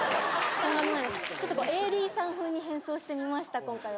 ちょっとＡＤさん風に変装してみました、今回は。